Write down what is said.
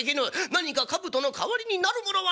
何か兜の代わりになるものはないか。